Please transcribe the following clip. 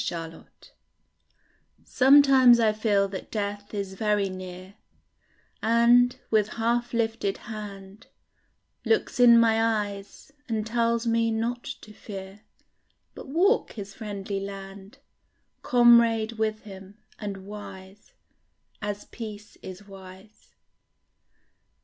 THE GUEST Sometimes I feel that death is very near, And, with half lifted hand, Looks in my eyes, and tells me not to fear, But walk his friendly land, Comrade with him, and wise As peace is wise.